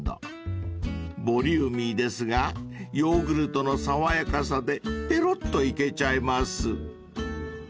［ボリューミーですがヨーグルトの爽やかさでぺろっといけちゃいます］